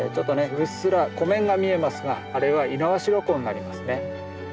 うっすら湖面が見えますがあれは猪苗代湖になりますね。